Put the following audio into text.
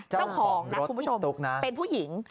เจ้าของนะคุณผู้ชมเป็นผู้หญิง